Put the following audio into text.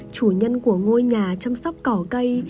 chủ nhân của ngôi nhà chăm sóc cỏ cây